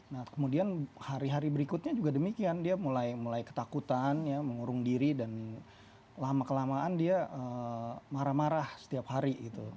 nah kemudian hari hari berikutnya juga demikian dia mulai ketakutan ya mengurung diri dan lama kelamaan dia marah marah setiap hari